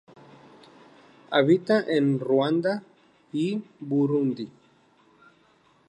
Habita en Ruanda y Burundi.